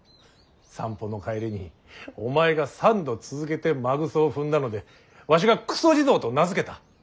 散歩の帰りにお前が３度続けて馬糞を踏んだのでわしがくそ地蔵と名付けた。